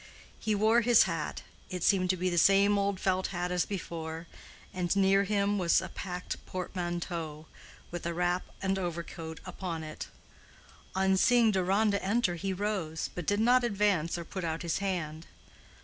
He wore his hat—it seemed to be the same old felt hat as before—and near him was a packed portmanteau with a wrap and overcoat upon it. On seeing Deronda enter he rose, but did not advance or put out his hand.